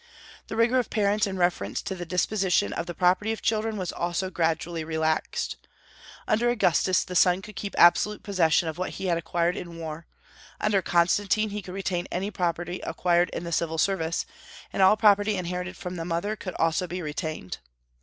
The rigor of parents in reference to the disposition of the property of children was also gradually relaxed. Under Augustus, the son could keep absolute possession of what he had acquired in war; under Constantine, he could retain any property acquired in the civil service, and all property inherited from the mother could also be retained.